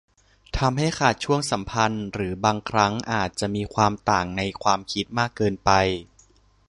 ทำให้ขาดช่วงสัมพันธ์หรือบางครั้งอาจจะมีความต่างในความคิดมากเกินไป